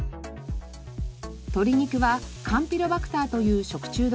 鶏肉はカンピロバクターという食中毒